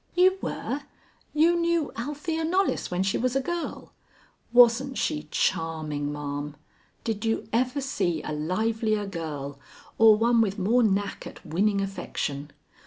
"You were? You knew Althea Knollys when she was a girl? Wasn't she charming, ma'am? Did you ever see a livelier girl or one with more knack at winning affection?